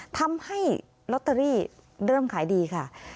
ทำให้ลอตเตอรี่เริ่มขายดีค่ะ